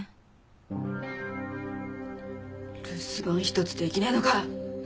留守番一つできねえのか！